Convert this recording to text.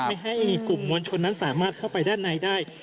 ไม่ให้กลุ่มมวลชนนั้นสามารถเข้าไปด้านในได้